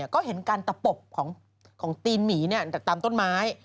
ก็เห็นการตะปบของตีนหมีจากตามต้นไม้